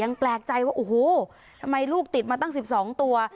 ยังแปลกใจว่าโอ้โหทำไมลูกติดมาตั้งสิบสองตัว